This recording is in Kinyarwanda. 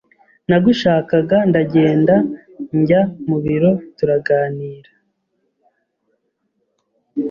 nagushakaga ndagenda njya mu biro turaganira